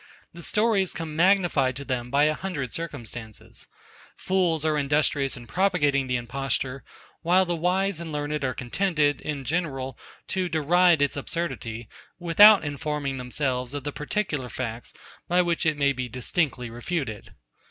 The stories come magnified to them by a hundred circumstances. Fools are industrious in propagating the imposture; while the wise and learned are contented, in general, to deride its absurdity, without informing themselves of the particular facts, by which it may be distinctly refuted.